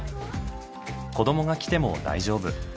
子どもが来ても大丈夫。